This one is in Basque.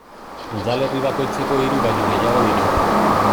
Udalerri bakoitzeko hiru baino gehiago dira.